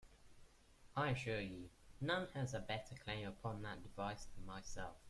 I assure you, none has a better claim upon that device than myself.